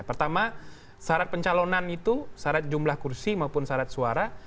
pertama syarat pencalonan itu syarat jumlah kursi maupun syarat suara